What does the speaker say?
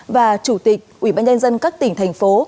và chủ tịch ủy ban nhân dân các tỉnh thành phố